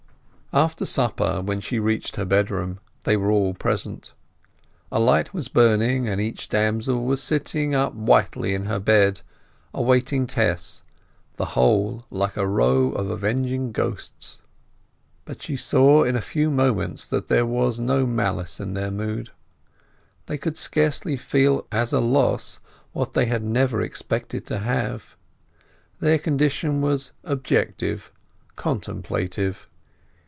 After supper, when she reached her bedroom, they were all present. A light was burning, and each damsel was sitting up whitely in her bed, awaiting Tess, the whole like a row of avenging ghosts. But she saw in a few moments that there was no malice in their mood. They could scarcely feel as a loss what they had never expected to have. Their condition was objective, contemplative.